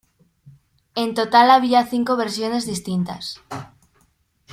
En total había cinco versiones distintas.